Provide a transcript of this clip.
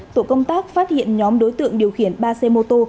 tổ công tác phát hiện nhóm đối tượng điều khiển ba xe mô tô